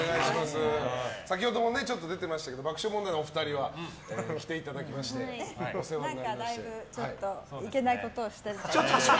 先ほどもちょっと出てましたけど爆笑問題のお二人は来ていただきましてだいぶ、ちょっといけないことをして。